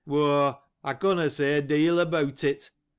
— Why, I cannot say a deal about it.